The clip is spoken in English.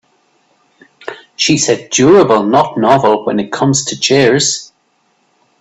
She said durable not novel when it comes to chairs.